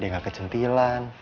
dia gak kecantilan